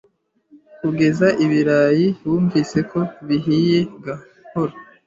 kugeza ibirayi wumvise ko bihiye gahoro